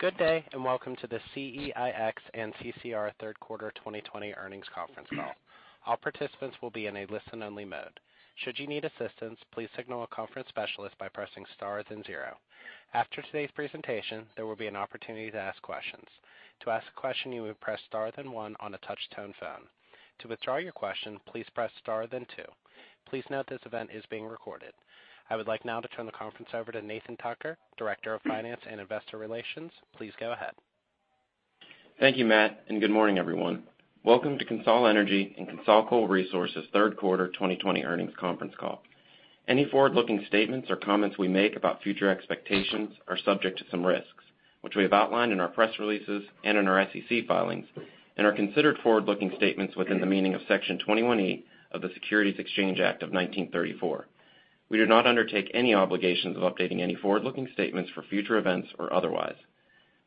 Good day and welcome to the CEIX and CCR third quarter 2020 earnings conference call. All participants will be in a listen-only mode. Should you need assistance, please signal a conference specialist by pressing star then zero. After today's presentation, there will be an opportunity to ask questions. To ask a question, you will press star then one on a touch-tone phone. To withdraw your question, please press star then two. Please note this event is being recorded. I would like now to turn the conference over to Nathan Tucker, Director of Finance and Investor Relations. Please go ahead. Thank you, Matt, and good morning, everyone. Welcome to CONSOL Energy and Coal Resources third quarter 2020 earnings conference call. Any forward-looking statements or comments we make about future expectations are subject to some risks, which we have outlined in our press releases and in our SEC filings, and are considered forward-looking statements within the meaning of Section 21E of the Securities Exchange Act of 1934. We do not undertake any obligations of updating any forward-looking statements for future events or otherwise.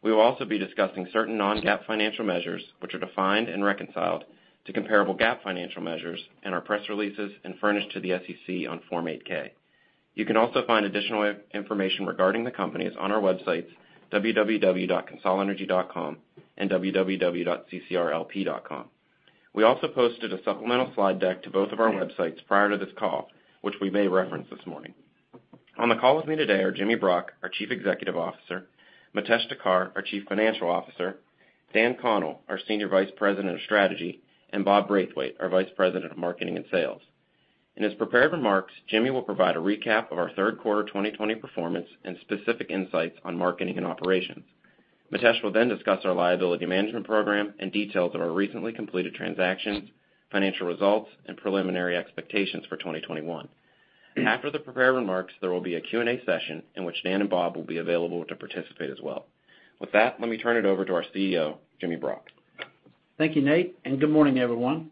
We will also be discussing certain non-GAAP financial measures, which are defined and reconciled to comparable GAAP financial measures, in our press releases and furnished to the SEC on Form 8-K. You can also find additional information regarding the companies on our websites, www.consolenergy.com and www.ccrlp.com. We also posted a supplemental slide deck to both of our websites prior to this call, which we may reference this morning. On the call with me today are Jimmy Brock, our Chief Executive Officer, Mitesh Thakkar, our Chief Financial Officer, Dan Connell, our Senior Vice President of Strategy, and Bob Braithwaite, our Vice President of Marketing and Sales. In his prepared remarks, Jimmy will provide a recap of our third quarter 2020 performance and specific insights on marketing and operations. Mitesh will then discuss our liability management program and details of our recently completed transactions, financial results, and preliminary expectations for 2021. After the prepared remarks, there will be a Q&A session in which Dan and Bob will be available to participate as well. With that, let me turn it over to our CEO, Jimmy Brock. Thank you, Nate, and good morning, everyone.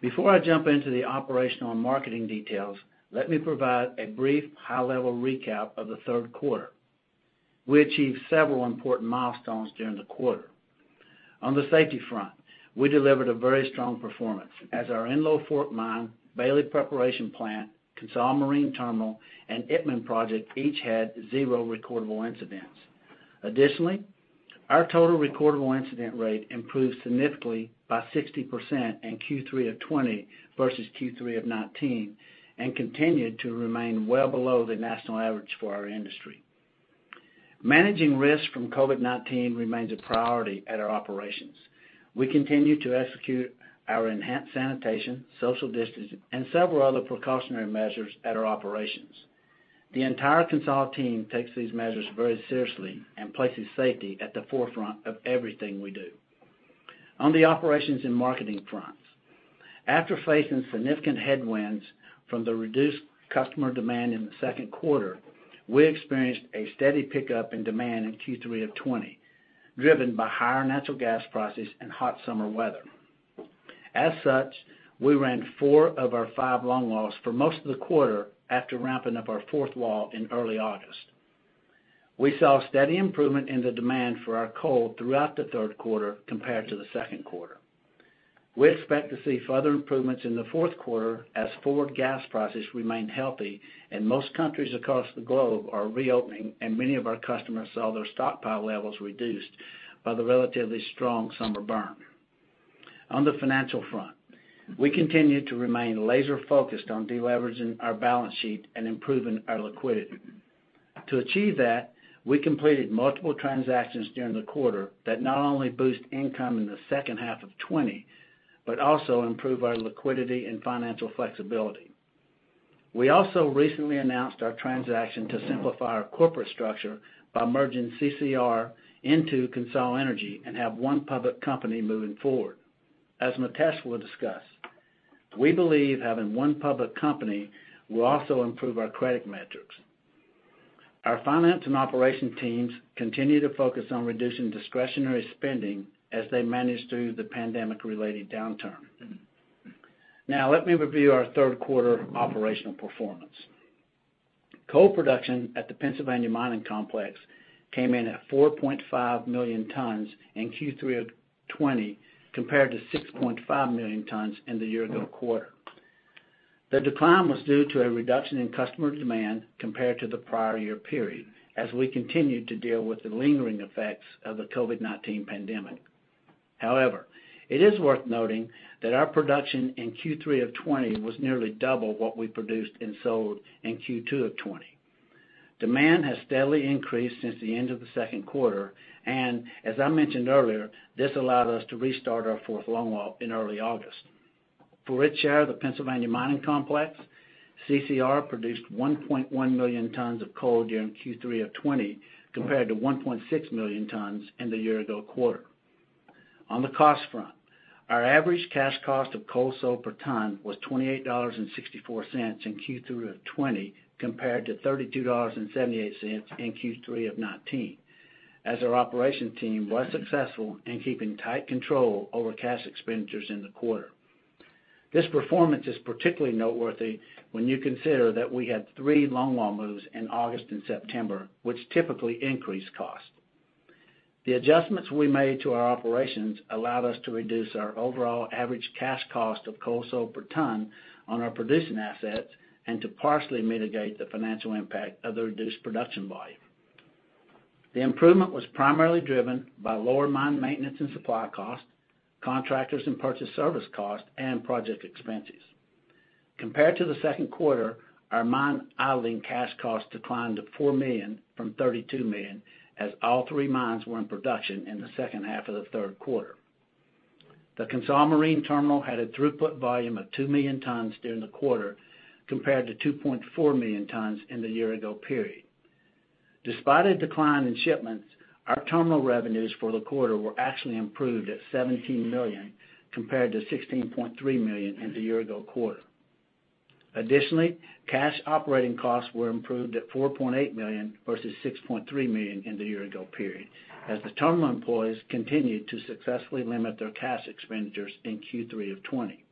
Before I jump into the operational and marketing details, let me provide a brief high-level recap of the third quarter. We achieved several important milestones during the quarter. On the safety front, we delivered a very strong performance as our Enlow Fork Mine, Bailey Preparation Plant, Core Marine Terminal, and Itmann Project each had zero recordable incidents. Additionally, our total recordable incident rate improved significantly by 60% in Q3 of 2020 versus Q3 of 2019 and continued to remain well below the national average for our industry. Managing risk from COVID-19 remains a priority at our operations. We continue to execute our enhanced sanitation, social distancing, and several other precautionary measures at our operations. The entire Core team takes these measures very seriously and places safety at the forefront of everything we do. On the operations and marketing fronts, after facing significant headwinds from the reduced customer demand in the second quarter, we experienced a steady pickup in demand in Q3 of 2020, driven by higher natural gas prices and hot summer weather. As such, we ran four of our five long walls for most of the quarter after ramping up our fourth wall in early August. We saw a steady improvement in the demand for our coal throughout the third quarter compared to the second quarter. We expect to see further improvements in the fourth quarter as forward gas prices remain healthy and most countries across the globe are reopening, and many of our customers saw their stockpile levels reduced by the relatively strong summer burn. On the financial front, we continue to remain laser-focused on deleveraging our balance sheet and improving our liquidity. To achieve that, we completed multiple transactions during the quarter that not only boost income in the second half of 2020 but also improve our liquidity and financial flexibility. We also recently announced our transaction to simplify our corporate structure by merging CCR into CONSOL Energy and have one public company moving forward. As Mitesh will discuss, we believe having one public company will also improve our credit metrics. Our finance and operations teams continue to focus on reducing discretionary spending as they manage through the pandemic-related downturn. Now, let me review our third quarter operational performance. Coal production at the Pennsylvania Mining Complex came in at 4.5 million tons in Q3 of 2020 compared to 6.5 million tons in the year-ago quarter. The decline was due to a reduction in customer demand compared to the prior year period as we continued to deal with the lingering effects of the COVID-19 pandemic. However, it is worth noting that our production in Q3 of 2020 was nearly double what we produced and sold in Q2 of 2020. Demand has steadily increased since the end of the second quarter, and as I mentioned earlier, this allowed us to restart our fourth longwall in early August. For its share of the Pennsylvania Mining Complex, CCR produced 1.1 million tons of coal during Q3 of 2020 compared to 1.6 million tons in the year-ago quarter. On the cost front, our average cash cost of coal sold per ton was $28.64 in Q3 of 2020 compared to $32.78 in Q3 of 2019 as our operations team was successful in keeping tight control over cash expenditures in the quarter. This performance is particularly noteworthy when you consider that we had three longwall moves in August and September, which typically increased cost. The adjustments we made to our operations allowed us to reduce our overall average cash cost of coal sold per ton on our producing assets and to partially mitigate the financial impact of the reduced production volume. The improvement was primarily driven by lower mine maintenance and supply cost, contractors and purchase service cost, and project expenses. Compared to the second quarter, our mine idling cash cost declined to $4 million from $32 million as all three mines were in production in the second half of the third quarter. The CONSOL Marine Terminal had a throughput volume of 2 million tons during the quarter compared to 2.4 million tons in the year-ago period. Despite a decline in shipments, our terminal revenues for the quarter were actually improved at $17 million compared to $16.3 million in the year-ago quarter. Additionally, cash operating costs were improved at $4.8 million versus $6.3 million in the year-ago period as the terminal employees continued to successfully limit their cash expenditures in Q3 of 2020.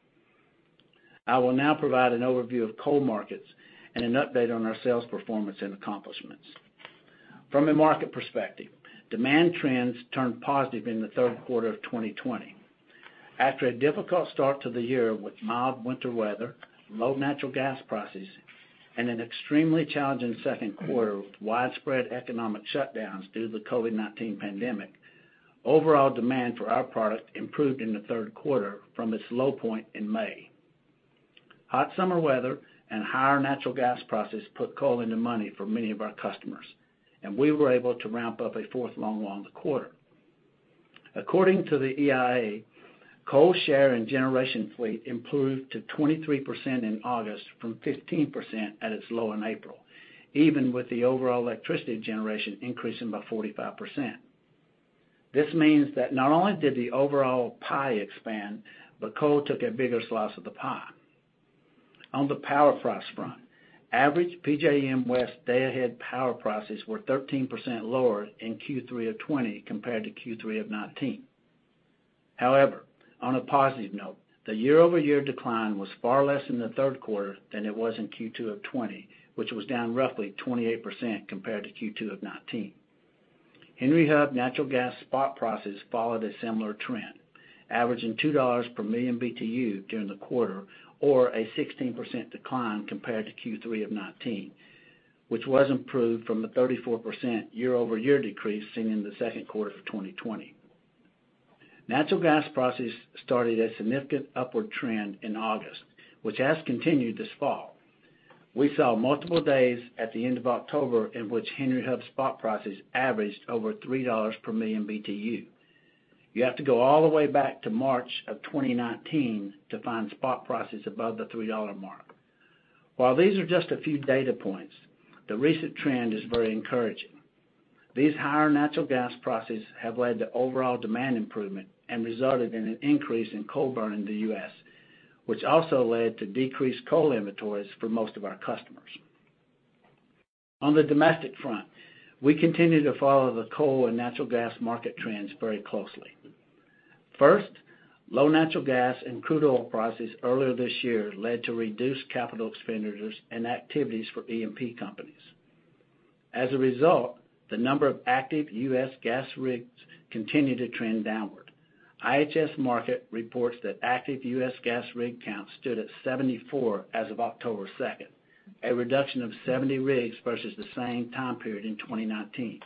I will now provide an overview of coal markets and an update on our sales performance and accomplishments. From a market perspective, demand trends turned positive in the third quarter of 2020. After a difficult start to the year with mild winter weather, low natural gas prices, and an extremely challenging second quarter with widespread economic shutdowns due to the COVID-19 pandemic, overall demand for our product improved in the third quarter from its low point in May. Hot summer weather and higher natural gas prices put coal into money for many of our customers, and we were able to ramp up a fourth longwall in the quarter. According to the EIA, coal share and generation fleet improved to 23% in August from 15% at its low in April, even with the overall electricity generation increasing by 45%. This means that not only did the overall pie expand, but coal took a bigger slice of the pie. On the power price front, average PJM West day-ahead power prices were 13% lower in Q3 of 2020 compared to Q3 of 2019. However, on a positive note, the year-over-year decline was far less in the third quarter than it was in Q2 of 2020, which was down roughly 28% compared to Q2 of 2019. Henry Hub natural gas spot prices followed a similar trend, averaging $2 per million BTU during the quarter, or a 16% decline compared to Q3 of 2019, which was improved from the 34% year-over-year decrease seen in the second quarter of 2020. Natural gas prices started a significant upward trend in August, which has continued this fall. We saw multiple days at the end of October in which Henry Hub spot prices averaged over $3 per million BTU. You have to go all the way back to March of 2019 to find spot prices above the $3 mark. While these are just a few data points, the recent trend is very encouraging. These higher natural gas prices have led to overall demand improvement and resulted in an increase in coal burning in the U.S., which also led to decreased coal inventories for most of our customers. On the domestic front, we continue to follow the coal and natural gas market trends very closely. First, low natural gas and crude oil prices earlier this year led to reduced capital expenditures and activities for E&P companies. As a result, the number of active U.S. gas rigs continued to trend downward. IHS Markit reports that active U.S. gas rig count stood at 74 as of October 2, a reduction of 70 rigs versus the same time period in 2019.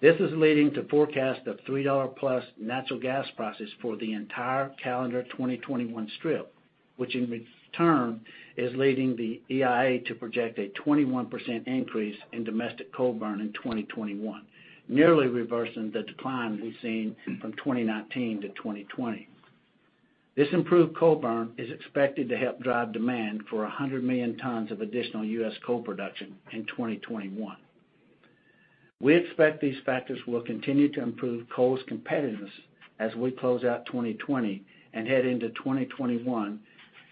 This is leading to forecasts of $3+ natural gas prices for the entire calendar 2021 strip, which in turn is leading the EIA to project a 21% increase in domestic coal burn in 2021, nearly reversing the decline we've seen from 2019 to 2020. This improved coal burn is expected to help drive demand for 100 million tons of additional U.S. coal production in 2021. We expect these factors will continue to improve coal's competitiveness as we close out 2020 and head into 2021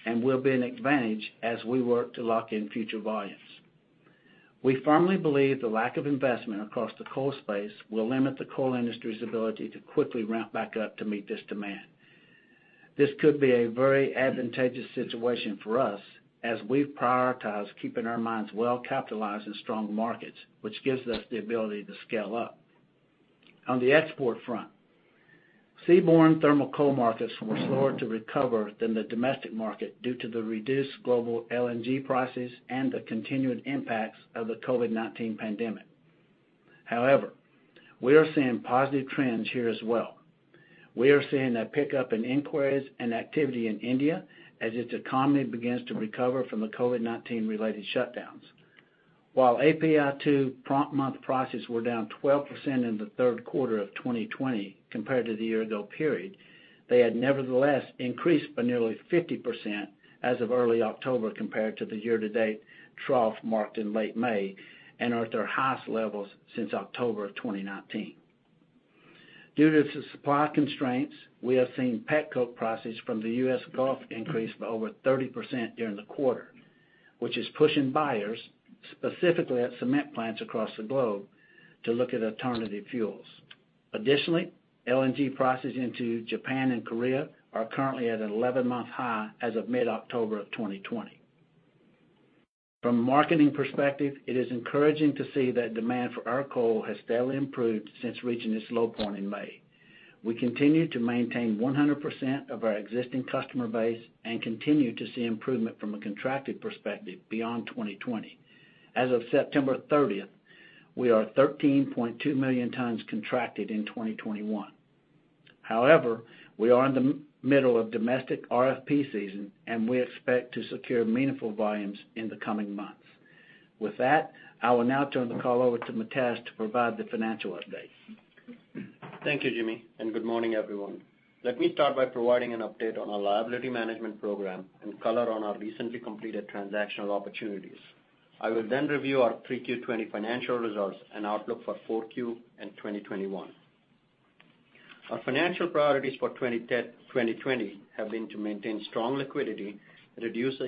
and will be an advantage as we work to lock in future volumes. We firmly believe the lack of investment across the coal space will limit the coal industry's ability to quickly ramp back up to meet this demand. This could be a very advantageous situation for us as we've prioritized keeping our mines well-capitalized in strong markets, which gives us the ability to scale up. On the export front, seaborne thermal coal markets were slower to recover than the domestic market due to the reduced global LNG prices and the continued impacts of the COVID-19 pandemic. However, we are seeing positive trends here as well. We are seeing a pickup in inquiries and activity in India as its economy begins to recover from the COVID-19-related shutdowns. While API2 prompt month prices were down 12% in the third quarter of 2020 compared to the year-ago period, they had nevertheless increased by nearly 50% as of early October compared to the year-to-date trough marked in late May and are at their highest levels since October of 2019. Due to supply constraints, we have seen petcoke prices from the U.S. Gulf increase by over 30% during the quarter, which is pushing buyers, specifically at cement plants across the globe, to look at alternative fuels. Additionally, LNG prices into Japan and Korea are currently at an 11-month high as of mid-October of 2020. From a marketing perspective, it is encouraging to see that demand for our coal has steadily improved since reaching its low point in May. We continue to maintain 100% of our existing customer base and continue to see improvement from a contracted perspective beyond 2020. As of September 30, we are 13.2 million tons contracted in 2021. However, we are in the middle of domestic RFP season, and we expect to secure meaningful volumes in the coming months. With that, I will now turn the call over to Mitesh to provide the financial update. Thank you, Jimmy, and good morning, everyone. Let me start by providing an update on our liability management program and color on our recently completed transactional opportunities. I will then review our pre-Q2 2020 financial results and outlook for Q4 and 2021. Our financial priorities for 2020 have been to maintain strong liquidity, reduce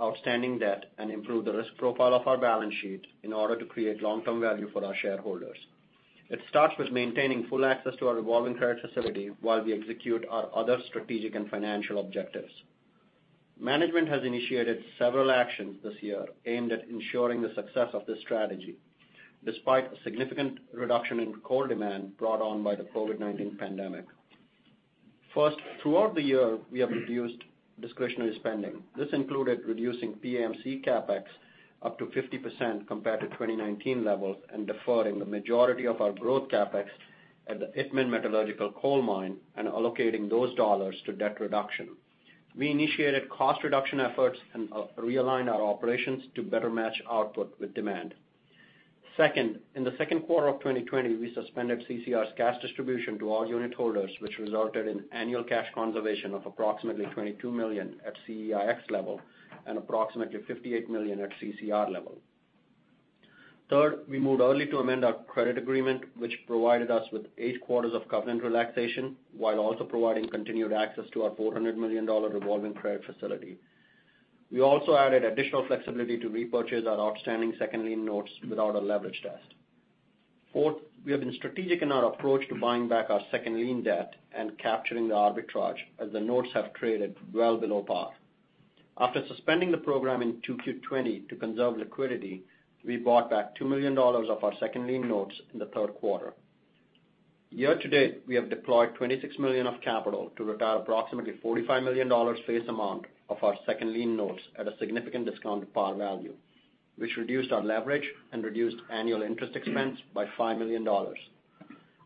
outstanding debt, and improve the risk profile of our balance sheet in order to create long-term value for our shareholders. It starts with maintaining full access to our revolving credit facility while we execute our other strategic and financial objectives. Management has initiated several actions this year aimed at ensuring the success of this strategy despite a significant reduction in coal demand brought on by the COVID-19 pandemic. First, throughout the year, we have reduced discretionary spending. This included reducing PAMC CapEx up to 50% compared to 2019 levels and deferring the majority of our growth CapEx at the Itmann Metallurgical Coal Mine and allocating those dollars to debt reduction. We initiated cost reduction efforts and realigned our operations to better match output with demand. Second, in the second quarter of 2020, we suspended CCR's cash distribution to all unit holders, which resulted in annual cash conservation of approximately $22 million at CEIX level and approximately $58 million at CCR level. Third, we moved early to amend our credit agreement, which provided us with eight quarters of covenant relaxation while also providing continued access to our $400 million revolving credit facility. We also added additional flexibility to repurchase our outstanding second lien notes without a leverage test. Fourth, we have been strategic in our approach to buying back our second lien debt and capturing the arbitrage as the notes have traded well below par. After suspending the program in Q2 2020 to conserve liquidity, we bought back $2 million of our second lien notes in the third quarter. Year-to-date, we have deployed $26 million of capital to retire approximately $45 million face amount of our second lien notes at a significant discount to par value, which reduced our leverage and reduced annual interest expense by $5 million.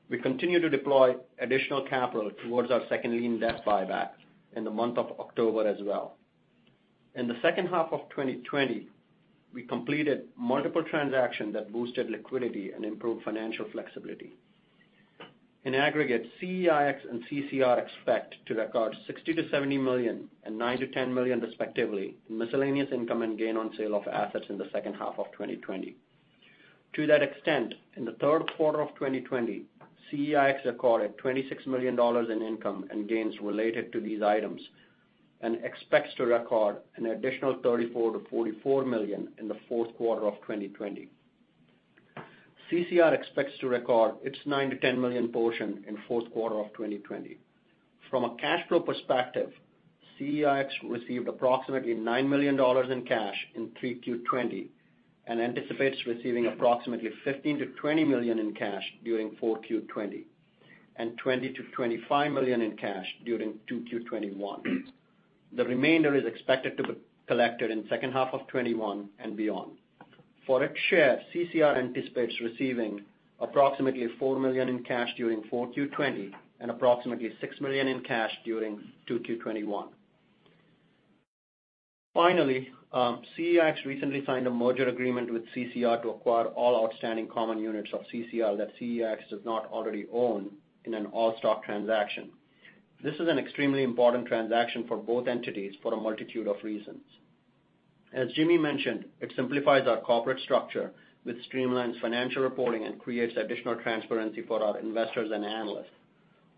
We continue to deploy additional capital towards our second lien debt buyback in the month of October as well. In the second half of 2020, we completed multiple transactions that boosted liquidity and improved financial flexibility. In aggregate, CEIX and CCR expect to record $60 million-$70 million and $9 million-$10 million, respectively, in miscellaneous income and gain on sale of assets in the second half of 2020. To that extent, in the third quarter of 2020, CEIX recorded $26 million in income and gains related to these items and expects to record an additional $34 million-$44 million in the fourth quarter of 2020. CCR expects to record its $9 million-$10 million portion in the fourth quarter of 2020. From a cash flow perspective, CEIX received approximately $9 million in cash in Q3 2020 and anticipates receiving approximately $15 million-$20 million in cash during Q3 2020 and $20 million-$25 million in cash during Q2 2021. The remainder is expected to be collected in the second half of 2021 and beyond. For its share, CCR anticipates receiving approximately $4 million in cash during Q3 2020 and approximately $6 million in cash during Q2 2021. Finally, CEIX recently signed a merger agreement with CCR to acquire all outstanding common units of CCR that CEIX does not already own in an all-stock transaction. This is an extremely important transaction for both entities for a multitude of reasons. As Jimmy mentioned, it simplifies our corporate structure, streamlines financial reporting, and creates additional transparency for our investors and analysts.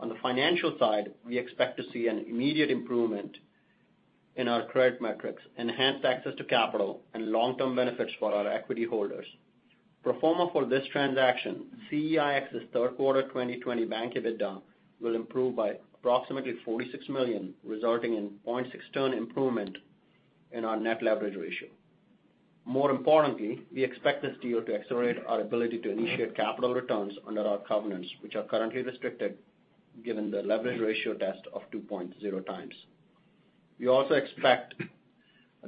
On the financial side, we expect to see an immediate improvement in our credit metrics, enhanced access to capital, and long-term benefits for our equity holders. Pro forma for this transaction, CEIX's third quarter 2020 bankable debt will improve by approximately $46 million, resulting in a 0.6x improvement in our net leverage ratio. More importantly, we expect this deal to accelerate our ability to initiate capital returns under our covenants, which are currently restricted given the leverage ratio test of 2.0x. We also expect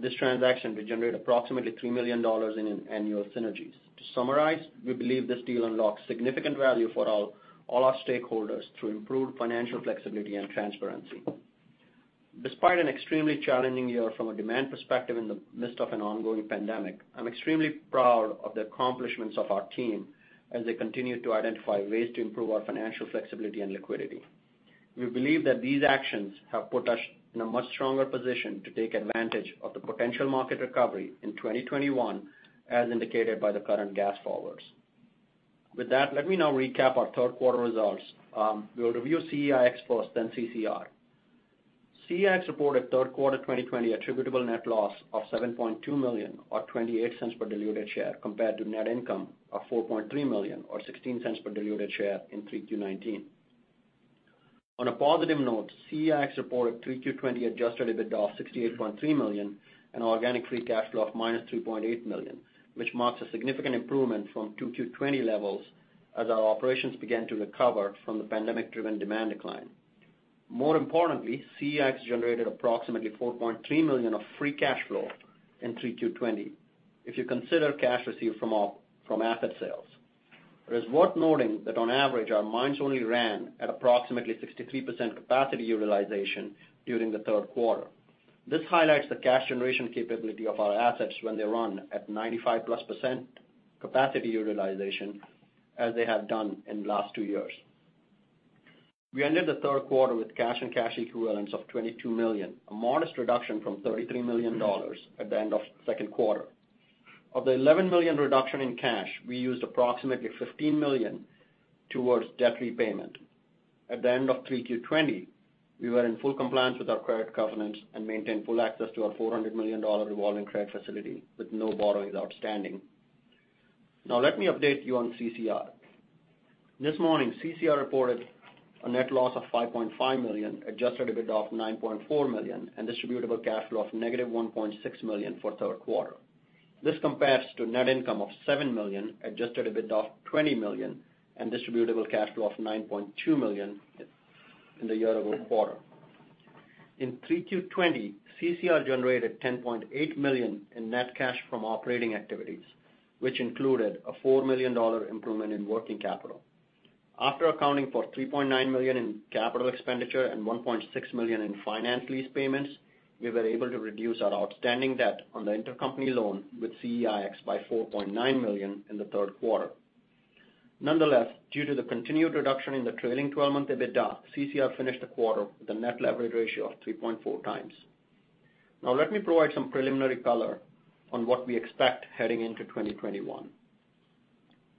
this transaction to generate approximately $3 million in annual synergies. To summarize, we believe this deal unlocks significant value for all our stakeholders through improved financial flexibility and transparency. Despite an extremely challenging year from a demand perspective in the midst of an ongoing pandemic, I'm extremely proud of the accomplishments of our team as they continue to identify ways to improve our financial flexibility and liquidity. We believe that these actions have put us in a much stronger position to take advantage of the potential market recovery in 2021, as indicated by the current gas forwards. With that, let me now recap our third quarter results. We will review CEIX first, then CCR. Resources reported third quarter 2020 attributable net loss of $7.2 million, or $0.28 per diluted share, compared to net income of $4.3 million, or $0.16 per diluted share in Q3 2019. On a positive note, Core Natural Resources reported third quarter 2020 Adjusted EBITDA of $68.3 million and organic free cash flow of -$3.8 million, which marks a significant improvement from Q2 2020 levels as our operations began to recover from the pandemic-driven demand decline. More importantly, Core Natural Resources generated approximately $4.3 million of free cash flow in Q3 2020, if you consider cash received from asset sales. It is worth noting that on average, our mines only ran at approximately 63% capacity utilization during the third quarter. This highlights the cash generation capability of our assets when they run at 95%+ capacity utilization, as they have done in the last two years. We ended the third quarter with cash and cash equivalents of $22 million, a modest reduction from $33 million at the end of the second quarter. Of the $11 million reduction in cash, we used approximately $15 million towards debt repayment. At the end of Q3 2020, we were in full compliance with our credit covenants and maintained full access to our $400 million revolving credit facility with no borrowings outstanding. Now, let me update you on CCR. This morning, CCR reported a net loss of $5.5 million, Adjusted EBITDA of $9.4 million, and distributable cash flow of -$1.6 million for the third quarter. This compares to net income of $7 million, Adjusted EBITDA of $20 million, and distributable cash flow of $9.2 million in the year-ago quarter. In Q3 2020, CCR generated $10.8 million in net cash from operating activities, which included a $4 million improvement in working capital. After accounting for $3.9 million in capital expenditure and $1.6 million in finance lease payments, we were able to reduce our outstanding debt on the intercompany loan with CEIX by $4.9 million in the third quarter. Nonetheless, due to the continued reduction in the trailing 12-month EBITDA, CCR finished the quarter with a net leverage ratio of 3.4x. Now, let me provide some preliminary color on what we expect heading into 2021.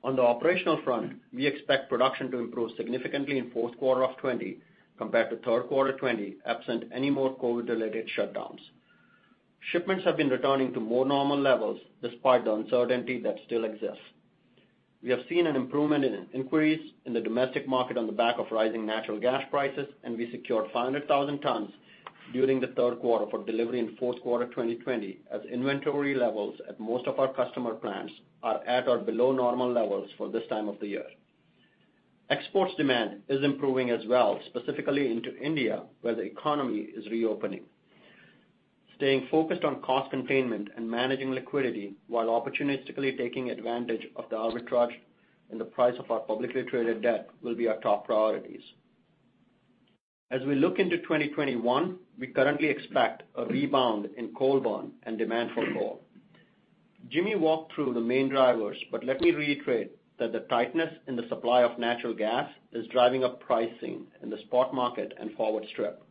On the operational front, we expect production to improve significantly in the fourth quarter of 2020 compared to the third quarter of 2020, absent any more COVID-related shutdowns. Shipments have been returning to more normal levels despite the uncertainty that still exists. We have seen an improvement in inquiries in the domestic market on the back of rising natural gas prices, and we secured 500,000 tons during the third quarter for delivery in the fourth quarter of 2020, as inventory levels at most of our customer plants are at or below normal levels for this time of the year. Exports demand is improving as well, specifically into India, where the economy is reopening. Staying focused on cost containment and managing liquidity while opportunistically taking advantage of the arbitrage in the price of our publicly traded debt will be our top priorities. As we look into 2021, we currently expect a rebound in coal burn and demand for coal. Jimmy walked through the main drivers, but let me reiterate that the tightness in the supply of natural gas is driving up pricing in the spot market and forward strip.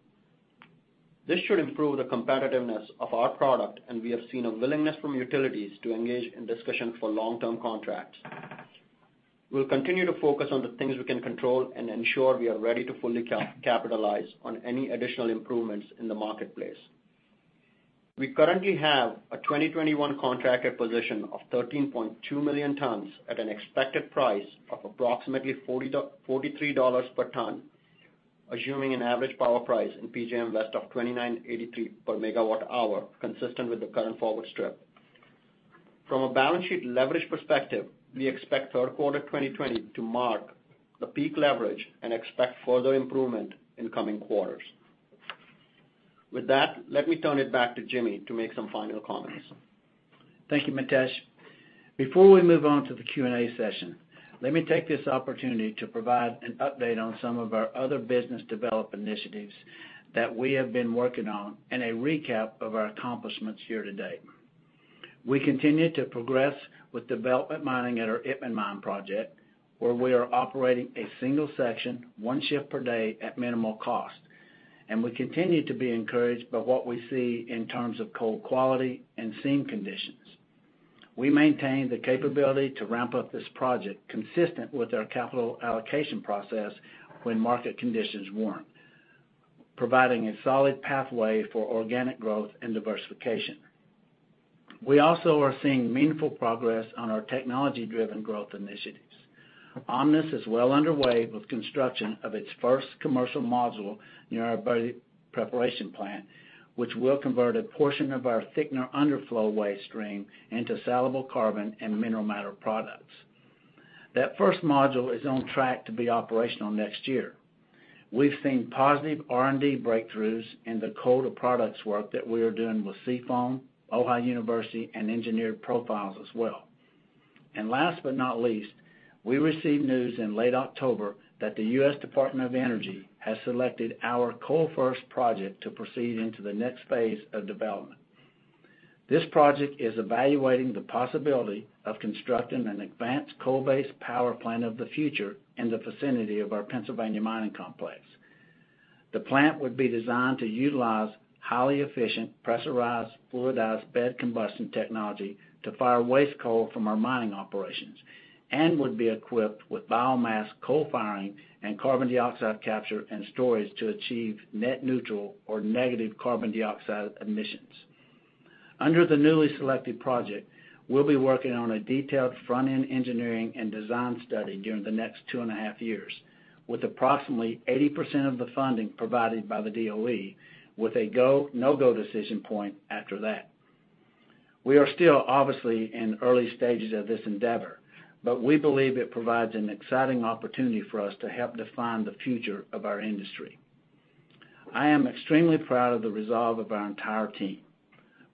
This should improve the competitiveness of our product, and we have seen a willingness from utilities to engage in discussion for long-term contracts. We'll continue to focus on the things we can control and ensure we are ready to fully capitalize on any additional improvements in the marketplace. We currently have a 2021 contracted position of 13.2 million tons at an expected price of approximately $43 per ton, assuming an average power price in PJM West of $29.83 per MWh, consistent with the current forward strip. From a balance sheet leverage perspective, we expect third quarter 2020 to mark the peak leverage and expect further improvement in coming quarters. With that, let me turn it back to Jimmy to make some final comments. Thank you, Mitesh. Before we move on to the Q&A session, let me take this opportunity to provide an update on some of our other business development initiatives that we have been working on and a recap of our accomplishments here today. We continue to progress with development mining at our Itmann mine project, where we are operating a single section, one shift per day at minimal cost, and we continue to be encouraged by what we see in terms of coal quality and seam conditions. We maintain the capability to ramp up this project consistent with our capital allocation process when market conditions warrant, providing a solid pathway for organic growth and diversification. We also are seeing meaningful progress on our technology-driven growth initiatives. Omnis is well underway with construction of its first commercial module near our Bailey Preparation Plant, which will convert a portion of our thickener underflow waste stream into salable carbon and mineral matter products. That first module is on track to be operational next year. We've seen positive R&D breakthroughs in the coal-to-products work that we are doing with CFOM, Ohio University, and Engineered Profiles as well. Last but not least, we received news in late October that the U.S. Department of Energy has selected our CoalFirst project to proceed into the next phase of development. This project is evaluating the possibility of constructing an advanced coal-based power plant of the future in the vicinity of our Pennsylvania Mining Complex. The plant would be designed to utilize highly efficient pressurized fluidized bed combustion technology to fire waste coal from our mining operations and would be equipped with biomass coal firing and carbon dioxide capture and storage to achieve net neutral or negative carbon dioxide emissions. Under the newly selected project, we'll be working on a detailed front-end engineering and design study during the next two and a half years, with approximately 80% of the funding provided by the DOE, with a go/no-go decision point after that. We are still obviously in early stages of this endeavor, but we believe it provides an exciting opportunity for us to help define the future of our industry. I am extremely proud of the resolve of our entire team.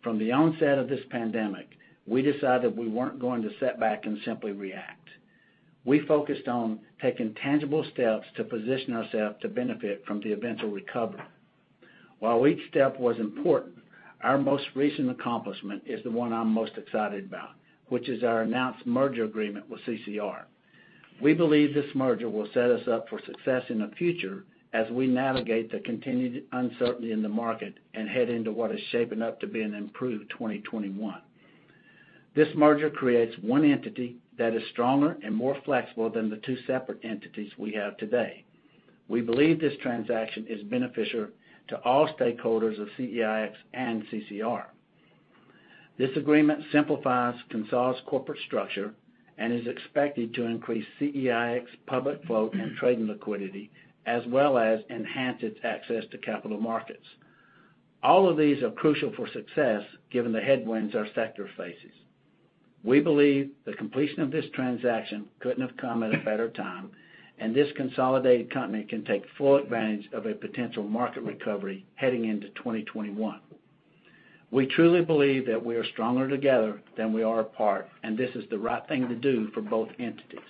From the onset of this pandemic, we decided we weren't going to sit back and simply react. We focused on taking tangible steps to position ourselves to benefit from the eventual recovery. While each step was important, our most recent accomplishment is the one I'm most excited about, which is our announced merger agreement with CCR. We believe this merger will set us up for success in the future as we navigate the continued uncertainty in the market and head into what is shaping up to be an improved 2021. This merger creates one entity that is stronger and more flexible than the two separate entities we have today. We believe this transaction is beneficial to all stakeholders of CEIX and CCR. This agreement simplifies CONSOL's corporate structure and is expected to increase CEIX's public flow and trading liquidity, as well as enhance its access to capital markets. All of these are crucial for success given the headwinds our sector faces. We believe the completion of this transaction could not have come at a better time, and this consolidated company can take full advantage of a potential market recovery heading into 2021. We truly believe that we are stronger together than we are apart, and this is the right thing to do for both entities.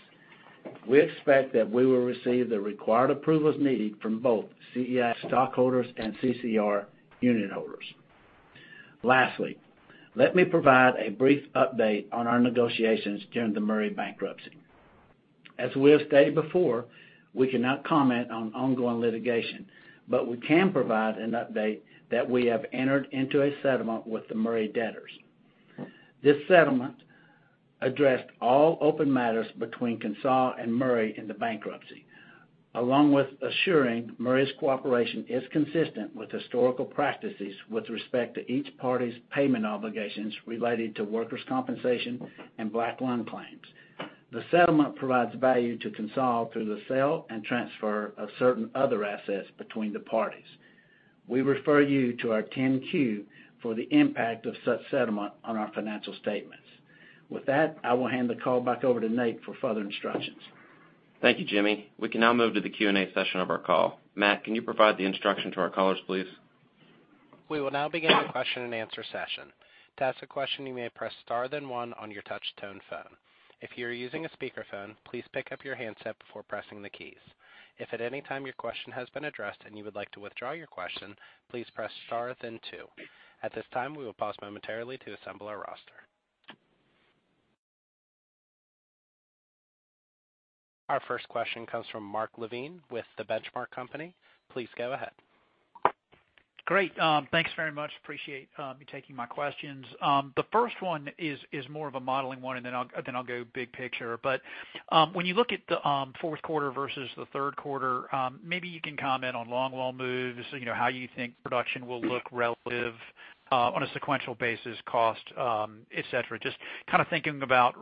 We expect that we will receive the required approvals needed from both CEIX stockholders and CCR unit holders. Lastly, let me provide a brief update on our negotiations during the Murray bankruptcy. As we have stated before, we cannot comment on ongoing litigation, but we can provide an update that we have entered into a settlement with the Murray debtors. This settlement addressed all open matters between CONSOL and Murray Energy in the bankruptcy, along with assuring Murray's cooperation is consistent with historical practices with respect to each party's payment obligations related to workers' compensation and black lung claims. The settlement provides value to CONSOL through the sale and transfer of certain other assets between the parties. We refer you to our 10-Q for the impact of such settlement on our financial statements. With that, I will hand the call back over to Nate for further instructions. Thank you, Jimmy. We can now move to the Q&A session of our call. Matt, can you provide the instruction to our callers, please? We will now begin the question and answer session. To ask a question, you may press star then one on your touch-tone phone. If you are using a speakerphone, please pick up your handset before pressing the keys. If at any time your question has been addressed and you would like to withdraw your question, please press star then two. At this time, we will pause momentarily to assemble our roster. Our first question comes from Mark Levin with The Benchmark Company. Please go ahead. Great. Thanks very much. Appreciate you taking my questions. The first one is more of a modeling one, and then I'll go big picture. But when you look at the fourth quarter versus the third quarter, maybe you can comment on long-haul moves, how you think production will look relative on a sequential basis, cost, etc. Just kind of thinking about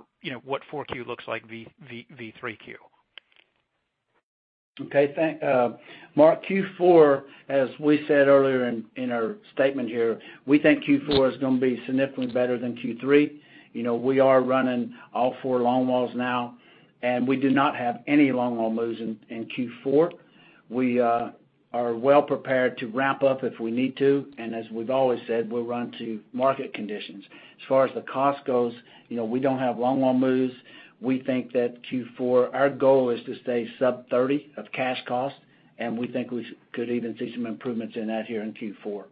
what Q4 looks like vs. Q3. Okay. Mark, Q4, as we said earlier in our statement here, we think Q4 is going to be significantly better than Q3. We are running all four long-hauls now, and we do not have any long-haul moves in Q4. We are well prepared to ramp up if we need to, and as we've always said, we'll run to market conditions. As far as the cost goes, we do not have long-haul moves. We think that Q4, our goal is to stay sub-$30 of cash cost, and we think we could even see some improvements in that here in Q4.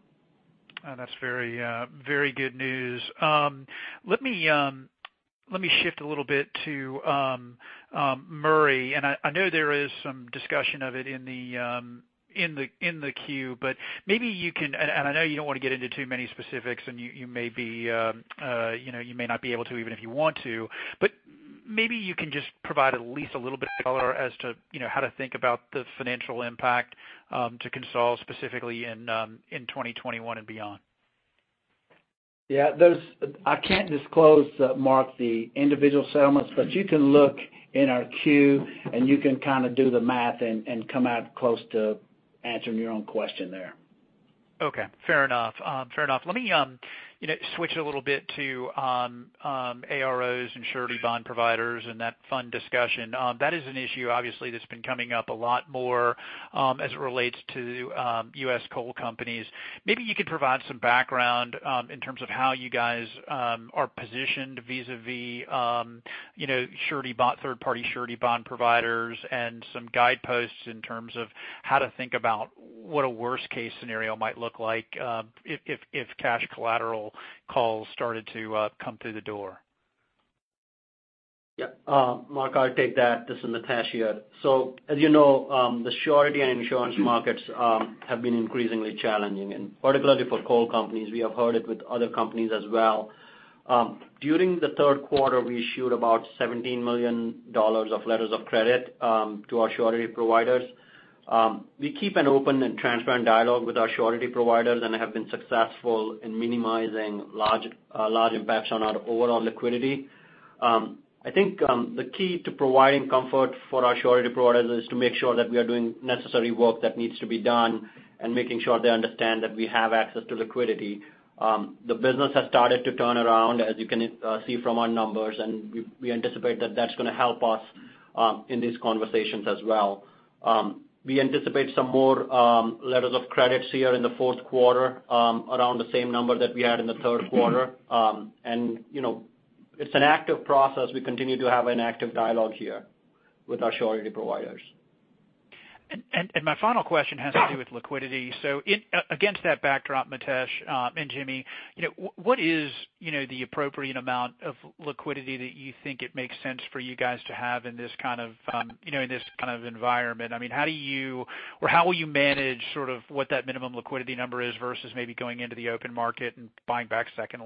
That's very good news. Let me shift a little bit to Murray, and I know there is some discussion of it in the Q, but maybe you can—and I know you do not want to get into too many specifics, and you may be—you may not be able to even if you want to, but maybe you can just provide at least a little bit of color as to how to think about the financial impact to Core Natural Resources specifically in 2021 and beyond. Yeah. I cannot disclose, Mark, the individual settlements, but you can look in our Q, and you can kind of do the math and come out close to answering your own question there. Okay. Fair enough. Fair enough. Let me switch a little bit to AROs and surety bond providers and that fund discussion. That is an issue, obviously, that has been coming up a lot more as it relates to U.S. coal companies. Maybe you could provide some background in terms of how you guys are positioned vis-à-vis third-party surety bond providers and some guideposts in terms of how to think about what a worst-case scenario might look like if cash collateral calls started to come through the door. Yep. Mark, I'll take that. This is Mitesh here. As you know, the surety and insurance markets have been increasingly challenging, and particularly for coal companies. We have heard it with other companies as well. During the third quarter, we issued about $17 million of letters of credit to our surety providers. We keep an open and transparent dialogue with our surety providers and have been successful in minimizing large impacts on our overall liquidity. I think the key to providing comfort for our surety providers is to make sure that we are doing necessary work that needs to be done and making sure they understand that we have access to liquidity. The business has started to turn around, as you can see from our numbers, and we anticipate that that's going to help us in these conversations as well. We anticipate some more letters of credit here in the fourth quarter around the same number that we had in the third quarter, and it's an active process. We continue to have an active dialogue here with our surety providers. My final question has to do with liquidity. Against that backdrop, Mitesh and Jimmy, what is the appropriate amount of liquidity that you think it makes sense for you guys to have in this kind of environment? I mean, how do you—or how will you manage sort of what that minimum liquidity number is versus maybe going into the open market and buying back second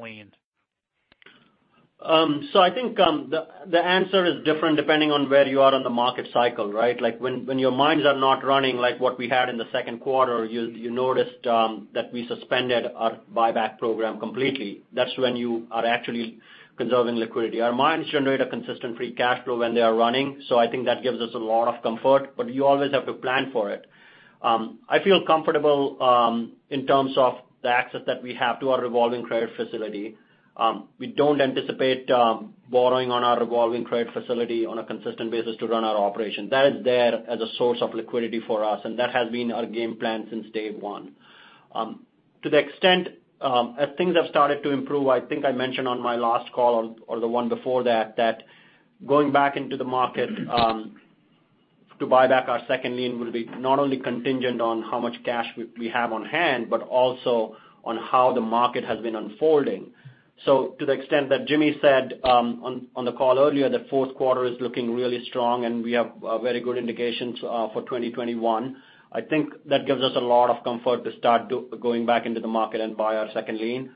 lien? I think the answer is different depending on where you are on the market cycle, right? When your mines are not running like what we had in the second quarter, you noticed that we suspended our buyback program completely. That is when you are actually conserving liquidity. Our mines generate a consistent free cash flow when they are running, so I think that gives us a lot of comfort, but you always have to plan for it. I feel comfortable in terms of the access that we have to our revolving credit facility. We do not anticipate borrowing on our revolving credit facility on a consistent basis to run our operation. That is there as a source of liquidity for us, and that has been our game plan since day one. To the extent as things have started to improve, I think I mentioned on my last call or the one before that that going back into the market to buy back our second lien will be not only contingent on how much cash we have on hand, but also on how the market has been unfolding. To the extent that Jimmy said on the call earlier, the fourth quarter is looking really strong, and we have very good indications for 2021. I think that gives us a lot of comfort to start going back into the market and buy our second lien.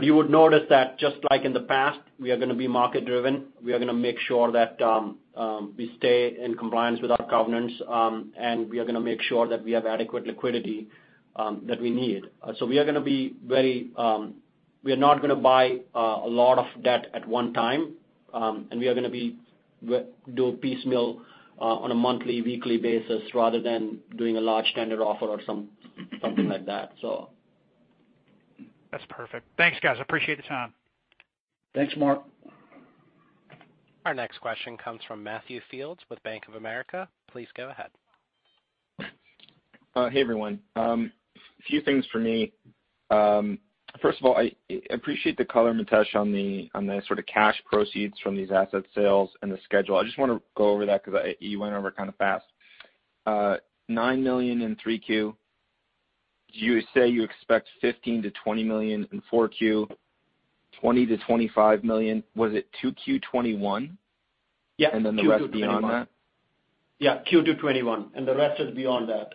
You would notice that just like in the past, we are going to be market-driven. We are going to make sure that we stay in compliance with our covenants, and we are going to make sure that we have adequate liquidity that we need. We are going to be very—we are not going to buy a lot of debt at one time, and we are going to do piecemeal on a monthly, weekly basis rather than doing a large standard offer or something like that. That's perfect. Thanks, guys. Appreciate the time. Thanks, Mark. Our next question comes from Matthew Fields with Bank of America. Please go ahead. Hey, everyone. A few things for me. First of all, I appreciate the color, Mitesh, on the sort of cash proceeds from these asset sales and the schedule. I just want to go over that because you went over it kind of fast. $9 million in Q3. You say you expect $15 million-$20 million in Q4, $20 million-$25 million. Was it Q2 2021? Yeah. And then the rest beyond that? Yeah. Q2 2021. And the rest is beyond that.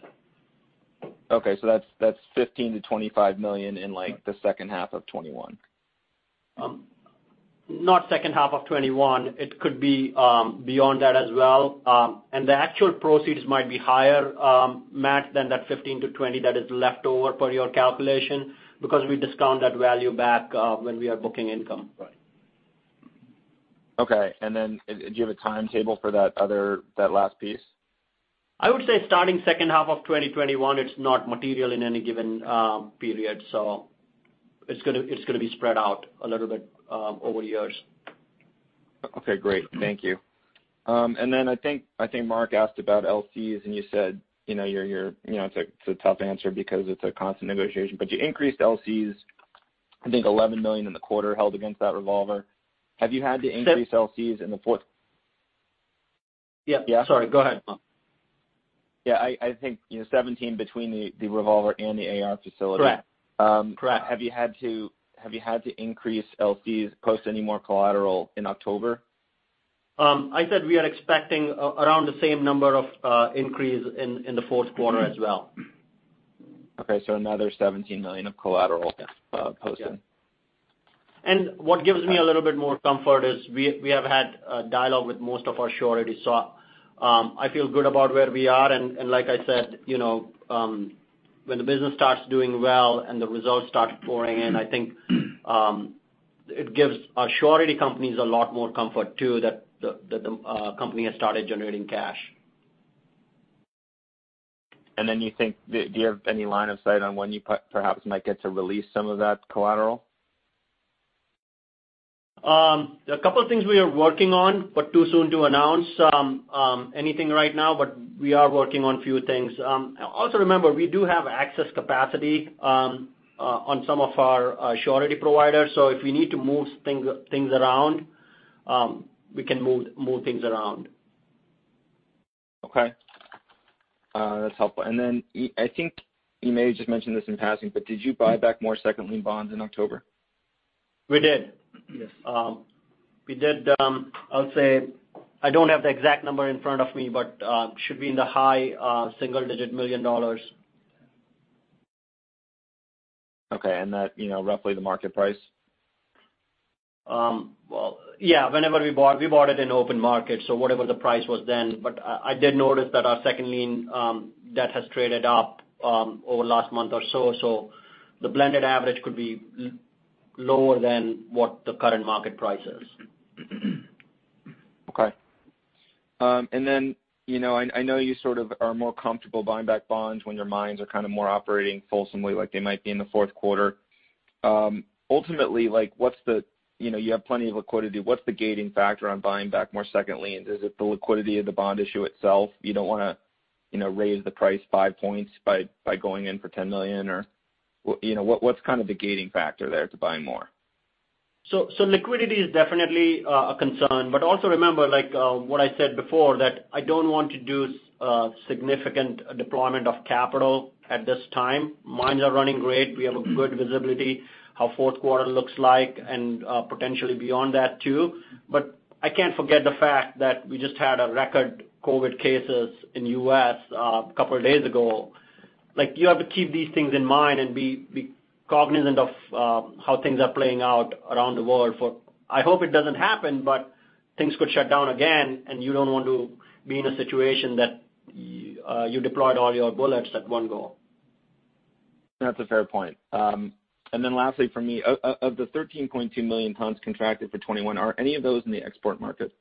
Okay. So that is $15 million-$25 million in the second half of 2021. Not second half of 2021. It could be beyond that as well. And the actual proceeds might be higher, Matt, than that $15 million-$20 million that is left over per your calculation because we discount that value back when we are booking income. Right. Okay. And then do you have a timetable for that last piece? I would say starting second half of 2021, it is not material in any given period, so it is going to be spread out a little bit over years. Okay. Great. Thank you. I think Mark asked about LCs, and you said you're—it's a tough answer because it's a constant negotiation. You increased LCs, I think, $11 million in the quarter held against that revolver. Have you had to increase LCs in the fourth? Yeah. Sorry. Go ahead. Yeah. I think $17 million between the revolver and the AR facility. Correct. Correct. Have you had to—have you had to increase LCs, post any more collateral in October? I said we are expecting around the same number of increase in the fourth quarter as well. Okay. So another $17 million of collateral posted. What gives me a little bit more comfort is we have had a dialogue with most of our sureties. I feel good about where we are. Like I said, when the business starts doing well and the results start pouring in, I think it gives our surety companies a lot more comfort too that the company has started generating cash. Do you have any line of sight on when you perhaps might get to release some of that collateral? A couple of things we are working on, but too soon to announce anything right now, but we are working on a few things. Also, remember, we do have excess capacity on some of our surety providers. If we need to move things around, we can move things around. Okay. That's helpful. I think you may have just mentioned this in passing, but did you buy back more second lien notes in October? We did. Yes. We did. I'll say I don't have the exact number in front of me, but it should be in the high single-digit million dollars. Okay. Is that roughly the market price? Yeah. Whenever we bought, we bought it in open market, so whatever the price was then. I did notice that our second lien debt has traded up over the last month or so, so the blended average could be lower than what the current market price is. Okay. I know you sort of are more comfortable buying back bonds when your mines are kind of more operating fulsomely like they might be in the fourth quarter. Ultimately, what's the—you have plenty of liquidity. What's the gating factor on buying back more second liens? Is it the liquidity of the bond issue itself? You do not want to raise the price five points by going in for $10 million, or what is kind of the gating factor there to buy more? Liquidity is definitely a concern. Also remember what I said before, that I do not want to do significant deployment of capital at this time. Mines are running great. We have good visibility of how fourth quarter looks like and potentially beyond that too. I cannot forget the fact that we just had a record COVID cases in the U.S. a couple of days ago. You have to keep these things in mind and be cognizant of how things are playing out around the world. I hope it does not happen, but things could shut down again, and you do not want to be in a situation that you deployed all your bullets at one go. That is a fair point. Lastly for me, of the 13.2 million tons contracted for 2021, are any of those in the export market?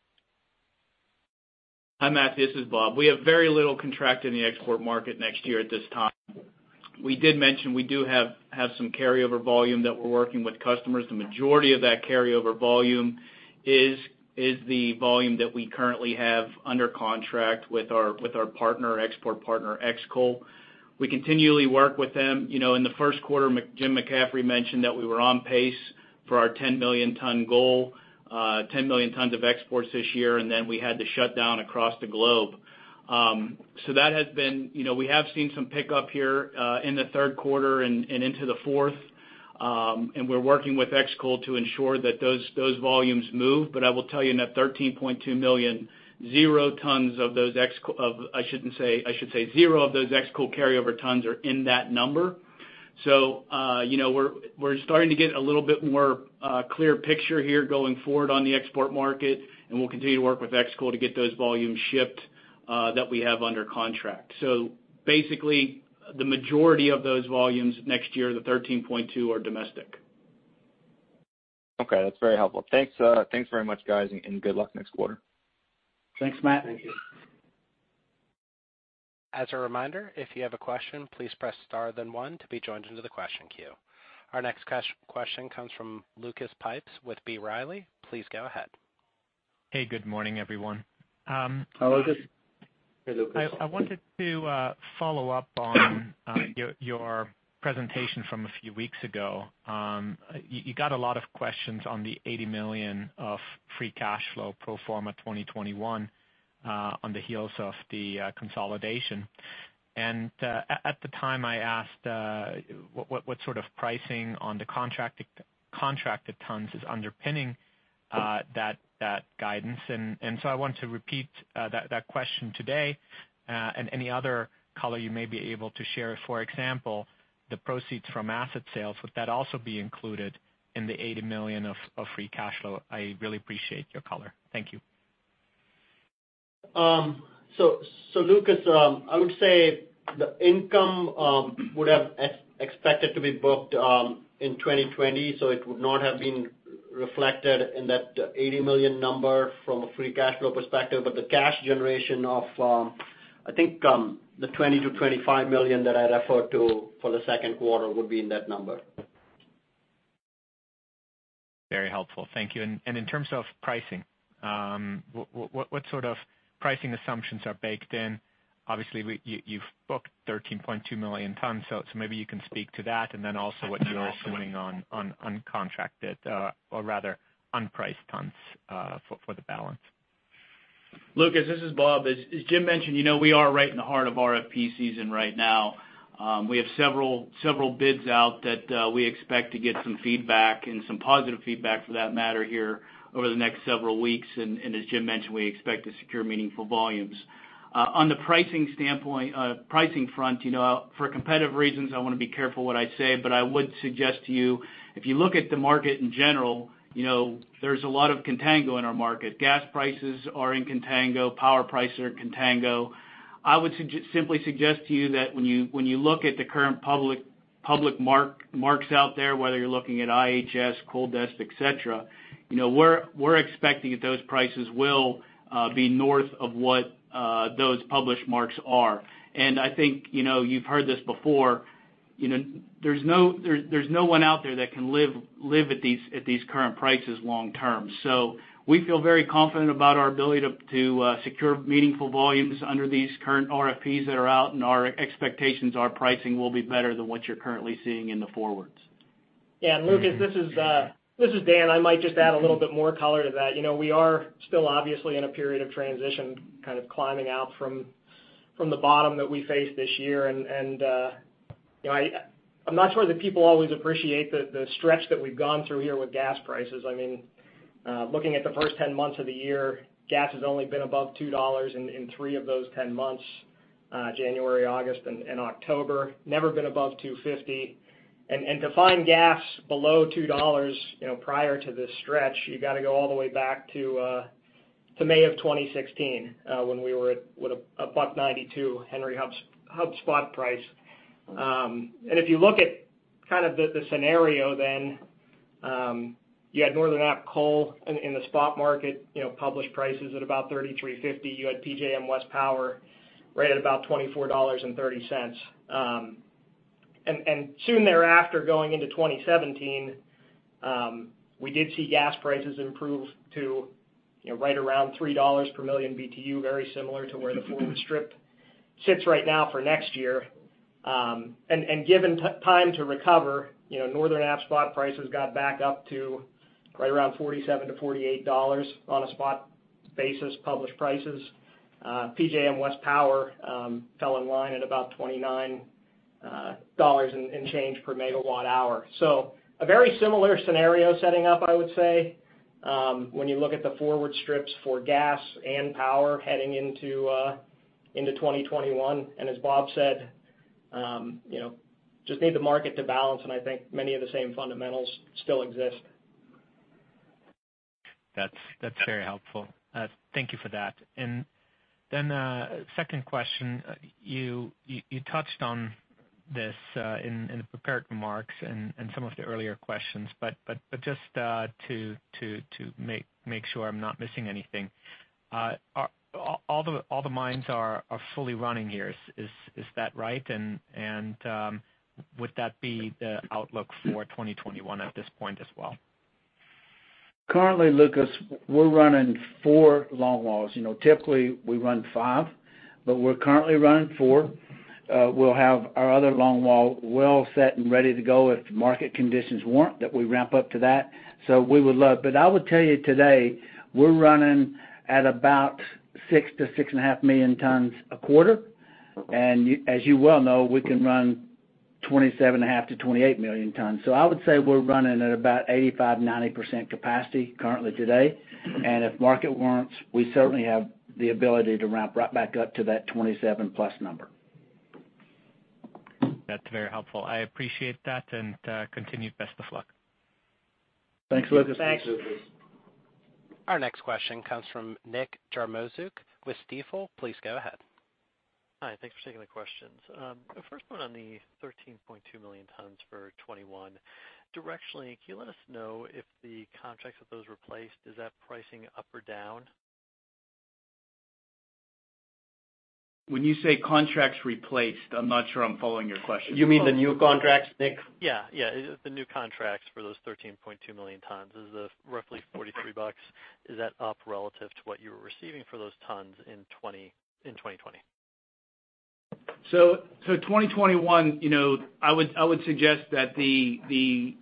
Hi, Matthew. This is Bob. We have very little contract in the export market next year at this time. We did mention we do have some carryover volume that we're working with customers. The majority of that carryover volume is the volume that we currently have under contract with our export partner Xcoal. We continually work with them. In the first quarter, Jim McCaffrey mentioned that we were on pace for our 10 million-ton goal, 10 million tons of exports this year, and then we had the shutdown across the globe. That has been—we have seen some pickup here in the third quarter and into the fourth, and we're working with Xcoal to ensure that those volumes move. I will tell you that 13.2 million zero tons of those—I should not say—I should say zero of those Xcoal carryover tons are in that number. We are starting to get a little bit more clear picture here going forward on the export market, and we will continue to work with Xcoal to get those volumes shipped that we have under contract. Basically, the majority of those volumes next year, the 13.2, are domestic. Okay. That is very helpful. Thanks very much, guys, and good luck next quarter. Thanks, Matt. Thank you. As a reminder, if you have a question, please press star then one to be joined into the question queue. Our next question comes from Lucas Pipes with B. Riley. Please go ahead. Hey. Good morning, everyone. Hi, Lucas. Hey, Lucas. I wanted to follow up on your presentation from a few weeks ago. You got a lot of questions on the $80 million of free cash flow pro forma 2021 on the heels of the consolidation. At the time, I asked what sort of pricing on the contracted tons is underpinning that guidance. I want to repeat that question today. Any other color you may be able to share? For example, the proceeds from asset sales, would that also be included in the $80 million of free cash flow? I really appreciate your color. Thank you. Lucas, I would say the income would have expected to be booked in 2020, so it would not have been reflected in that $80 million number from a free cash flow perspective. The cash generation of, I think, the $20 million-$25 million that I referred to for the second quarter would be in that number. Very helpful. Thank you. In terms of pricing, what sort of pricing assumptions are baked in? Obviously, you have booked 13.2 million tons, so maybe you can speak to that and then also what you are assuming on contracted or rather unpriced tons for the balance. Lucas, this is Bob. As Jim mentioned, we are right in the heart of RFP season right now. We have several bids out that we expect to get some feedback and some positive feedback for that matter here over the next several weeks. As Jim mentioned, we expect to secure meaningful volumes. On the pricing standpoint, pricing front, for competitive reasons, I want to be careful what I say, but I would suggest to you, if you look at the market in general, there is a lot of contango in our market. Gas prices are in contango. Power prices are in contango. I would simply suggest to you that when you look at the current public marks out there, whether you're looking at IHS, Coal Desk, etc., we're expecting that those prices will be north of what those published marks are. I think you've heard this before. There's no one out there that can live at these current prices long-term. We feel very confident about our ability to secure meaningful volumes under these current RFPs that are out, and our expectations are pricing will be better than what you're currently seeing in the forwards. Yeah. Lucas, this is Dan. I might just add a little bit more color to that. We are still obviously in a period of transition, kind of climbing out from the bottom that we faced this year. I'm not sure that people always appreciate the stretch that we've gone through here with gas prices. I mean, looking at the first 10 months of the year, gas has only been above $2 in three of those 10 months: January, August, and October. Never been above $2.50. To find gas below $2 prior to this stretch, you have to go all the way back to May of 2016 when we were at a $1.92 Henry Hub spot price. If you look at kind of the scenario then, you had Northern Appalachian coal in the spot market, published prices at about $33.50. You had PJM West power right at about $24.30. Soon thereafter, going into 2017, we did see gas prices improve to right around $3 per million BTU, very similar to where the fourth strip sits right now for next year. Given time to recover, Northern Appalachian Spot prices got back up to right around $47-$48 on a spot basis published prices. PJM West Power fell in line at about $29 in change per megawatt hour. A very similar scenario is setting up, I would say, when you look at the forward strips for gas and power heading into 2021. As Bob said, just need the market to balance, and I think many of the same fundamentals still exist. That's very helpful. Thank you for that. Second question, you touched on this in the prepared remarks and some of the earlier questions, but just to make sure I'm not missing anything, all the mines are fully running here. Is that right? Would that be the outlook for 2021 at this point as well? Currently, Lucas, we're running four long walls. Typically, we run five, but we're currently running four. We'll have our other longwall well set and ready to go if market conditions warrant that we ramp up to that. We would love. I would tell you today, we're running at about 6 million-6.5 million tons a quarter. As you well know, we can run 27.5 million-28 million tons. I would say we're running at about 85%-90% capacity currently today. If market warrants, we certainly have the ability to ramp right back up to that 27+ number. That's very helpful. I appreciate that and continue best of luck. Thanks, Lucas. Thanks, Lucas. Our next question comes from Nick Jarmoszuk with Stifel. Please go ahead. Hi. Thanks for taking the questions. The first one on the 13.2 million tons for 2021. Directionally, can you let us know if the contracts of those replaced, is that pricing up or down? When you say contracts replaced, I'm not sure I'm following your question. You mean the new contracts, Nick? Yeah. Yeah. The new contracts for those 13.2 million tons is roughly $43. Is that up relative to what you were receiving for those tons in 2020? So 2021, I would suggest that the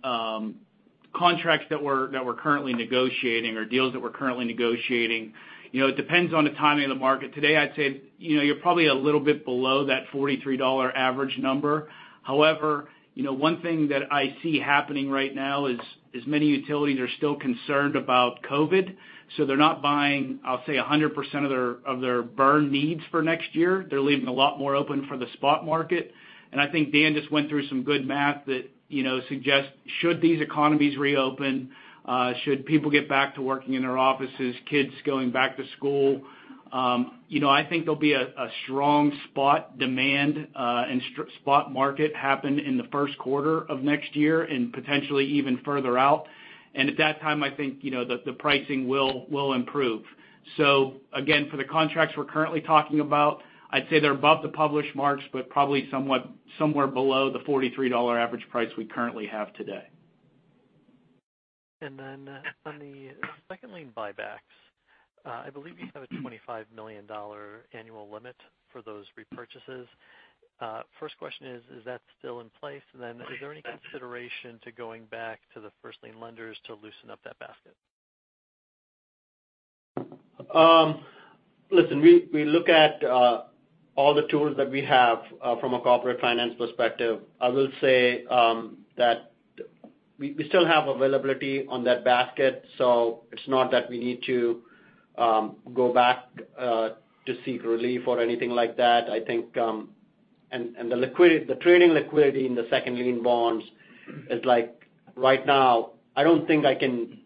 contracts that we're currently negotiating or deals that we're currently negotiating, it depends on the timing of the market. Today, I'd say you're probably a little bit below that $43 average number. However, one thing that I see happening right now is many utilities are still concerned about COVID, so they're not buying, I'll say, 100% of their burn needs for next year. They're leaving a lot more open for the spot market. I think Dan just went through some good math that suggests should these economies reopen, should people get back to working in their offices, kids going back to school, I think there'll be a strong spot demand and spot market happen in the first quarter of next year and potentially even further out. At that time, I think the pricing will improve. Again, for the contracts we're currently talking about, I'd say they're above the published marks, but probably somewhere below the $43 average price we currently have today. On the second lien buybacks, I believe you have a $25 million annual limit for those repurchases. First question is, is that still in place? Is there any consideration to going back to the first lien lenders to loosen up that basket? Listen, we look at all the tools that we have from a corporate finance perspective. I will say that we still have availability on that basket, so it's not that we need to go back to seek relief or anything like that. I think the trading liquidity in the second lien bonds is like right now, I don't think I can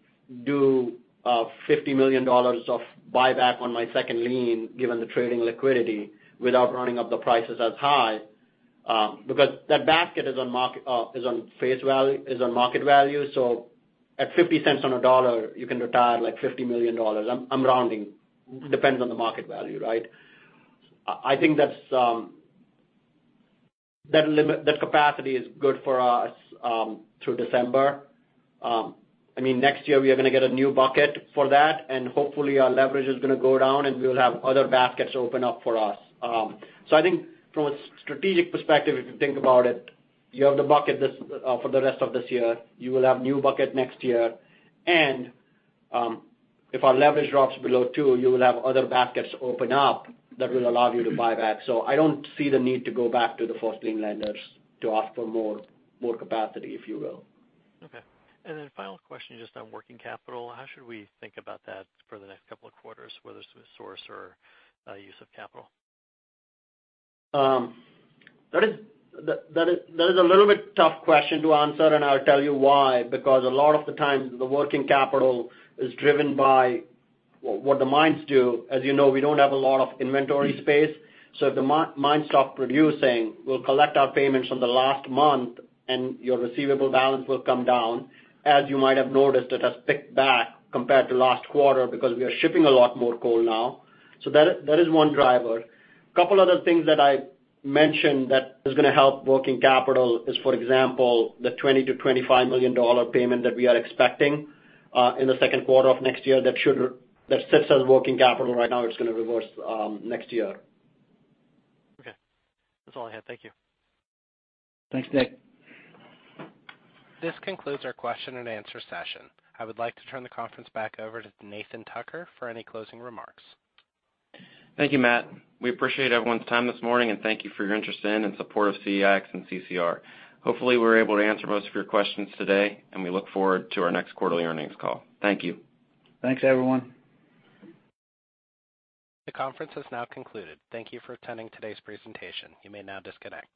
do $50 million of buyback on my second lien given the trading liquidity without running up the prices as high because that basket is on face value, is on market value. At 50 cents on a dollar, you can retire like $50 million. I'm rounding. It depends on the market value, right? I think that capacity is good for us through December. I mean, next year, we are going to get a new bucket for that, and hopefully, our leverage is going to go down, and we will have other baskets open up for us. I think from a strategic perspective, if you think about it, you have the bucket for the rest of this year. You will have a new bucket next year. If our leverage drops below two, you will have other baskets open up that will allow you to buy back. I do not see the need to go back to the first lien lenders to ask for more capacity, if you will. Okay. Final question just on working capital. How should we think about that for the next couple of quarters, whether it is with source or use of capital? That is a little bit tough question to answer, and I will tell you why. Because a lot of the time, the working capital is driven by what the mines do. As you know, we do not have a lot of inventory space. If the mines stop producing, we will collect our payments from the last month, and your receivable balance will come down. As you might have noticed, it has picked back compared to last quarter because we are shipping a lot more coal now. That is one driver. A couple of other things that I mentioned that is going to help working capital is, for example, the $20 million-$25 million payment that we are expecting in the second quarter of next year that sits as working capital right now. It is going to reverse next year. Okay. That is all I have. Thank you. Thanks, Nick. This concludes our question and answer session. I would like to turn the conference back over to Nathan Tucker for any closing remarks. Thank you, Matt. We appreciate everyone's time this morning, and thank you for your interest in and support of CEIX and CCR. Hopefully, we were able to answer most of your questions today, and we look forward to our next quarterly earnings call. Thank you. Thanks, everyone. The conference has now concluded. Thank you for attending today's presentation. You may now disconnect.